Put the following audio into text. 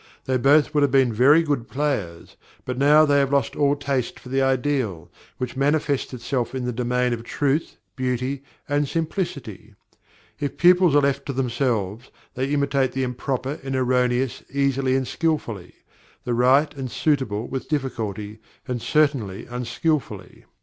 They both would have been very good players; but now they have lost all taste for the ideal, which manifests itself in the domain of truth, beauty, and simplicity. If pupils are left to themselves, they imitate the improper and erroneous easily and skilfully; the right and suitable with difficulty, and certainly unskilfully.